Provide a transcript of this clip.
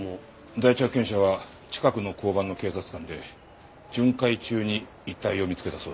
第一発見者は近くの交番の警察官で巡回中に遺体を見つけたそうだ。